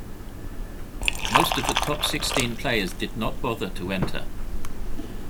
Most of the top sixteen players did not bother to enter.